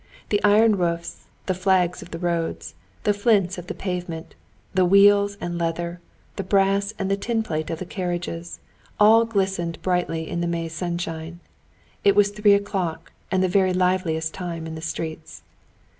The iron roofs, the flags of the roads, the flints of the pavements, the wheels and leather, the brass and the tinplate of the carriages—all glistened brightly in the May sunshine. It was three o'clock, and the very liveliest time in the streets.